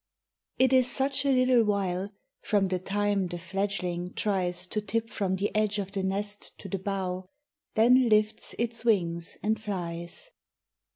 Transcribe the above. IT is such a little while From the time the fledgling tries To tip from the edge of the nest to the bough, Then lifts its wings and flies.